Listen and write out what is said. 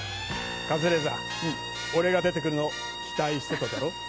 カズレーザー俺が出てくるの期待してただろ？